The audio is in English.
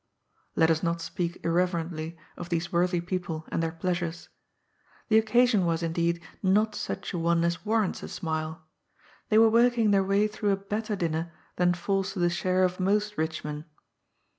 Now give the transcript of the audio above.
Let us not speak irreverently of these worthy people and their pleasures. The occasion was, indeed, not such an one as warrants a smile. They were working their way through a better dinner than falls to the share of most rich men.